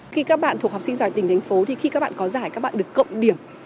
khi các bạn thuộc học sinh giỏi tỉnh thành phố thì khi các bạn có giải các bạn được cộng điểm